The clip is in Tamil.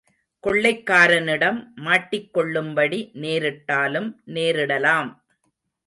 கொள்ளைக்காரனிடம் மாட்டிக்கொள்ளும்படி நேரிட்டாலும் நேரிடலாம்.